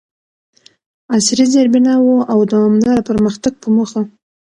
عصري زیربناوو او دوامداره پرمختګ په موخه،